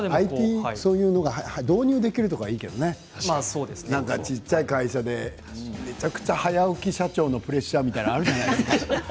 導入できるところはいいけれどもね、小さい会社でめちゃくちゃ早起き社長のプレッシャーみたいなのがあるじゃないですか。